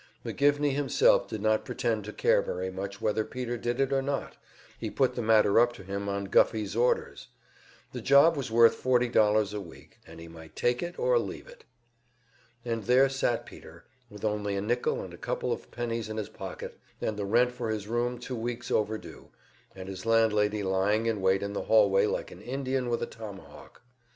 McGivney himself did not pretend to care very much whether Peter did it or not; he put the matter up to him on Guffey's orders. The job was worth forty dollars a week, and he might take it or leave it. And there sat Peter, with only a nickel and a couple of pennies in his pocket, and the rent for his room two weeks over due, and his landlady lying in wait in the hallway like an Indian with a tomahawk.